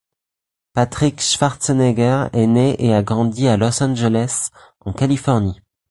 Patrick Schwarzenegger est né et a grandi à Los Angeles en Californie.